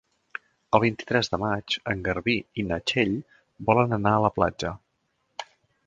El vint-i-tres de maig en Garbí i na Txell volen anar a la platja.